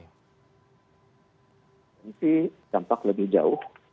mungkin dampak lebih jauh